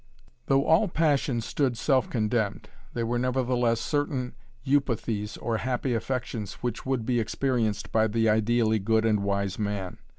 Though all passion stood self condemned, there were nevertheless certain 'eupathies,' or happy affections, which would be experienced by the ideally good and wise man.